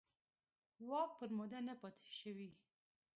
واک پر موده نه پاتې شوي.